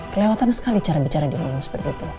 kelewatan sekali cara bicara di rumah seperti itu